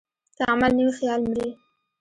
که عمل نه وي، خیال مري.